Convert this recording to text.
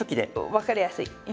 分かりやすい。